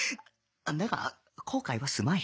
だが後悔はすまい